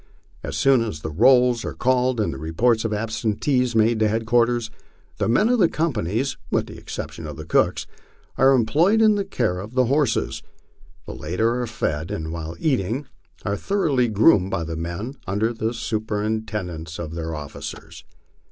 As soon as the rolls are called and the reports of absentees made to headquarters, the men of the companies, with the exception of the cooks, are employed in the care of the horses. The latter are fed, and while eating are thoroughly groomed by the men, under the superintendence of their officers.